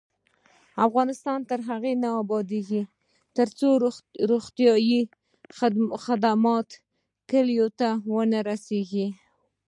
افغانستان تر هغو نه ابادیږي، ترڅو روغتیایی خدمتونه کلیو ته ونه رسیږي.